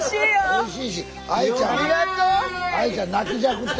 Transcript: おいしい！